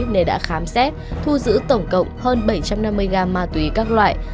nên đã khám xét thu giữ tổng cộng hơn bảy trăm năm mươi gram ma túy các loại